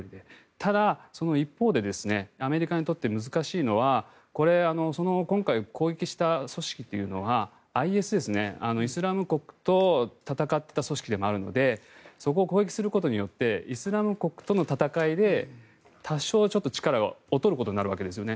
ただ、一方でアメリカにとって難しいのはこれ、今回攻撃した組織というのがＩＳ、イスラム国と戦っていた組織でもあるのでそこを攻撃することによってイスラム国との戦いで多少はちょっと力が劣ることになるわけですね。